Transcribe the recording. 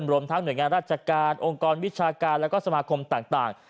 รวมทั้งหน่วยงานราชการองค์กรวิชาการแล้วก็สมาคมต่าง